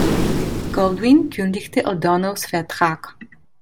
Goldwyn kündigte O'Donnells Vertrag.